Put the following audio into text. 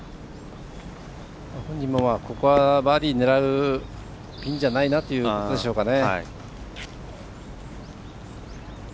本人もここはバーディー狙うピンじゃないなというところでしょうかね。